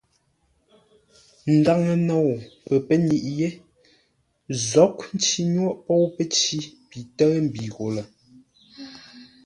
Ndaŋə nou pəpə́nyiʼi yé, Nzoghʼ nci nyôghʼ póu pəcǐ pi tə́ʉ mbi gho lə.